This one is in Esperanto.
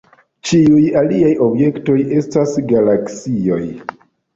Ĉiuj aliaj objektoj, estas galaksioj.